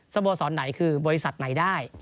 โมสรไหนคือบริษัทไหนได้